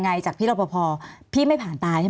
มีความรู้สึกว่ามีความรู้สึกว่า